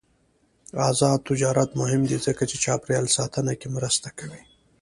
آزاد تجارت مهم دی ځکه چې چاپیریال ساتنه کې مرسته کوي.